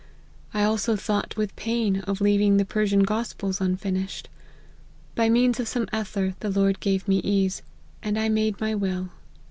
I also thought with pain, of leaving the Persian gospels unfinished. By means of some ether, the Lord gave me ease, and I made my will.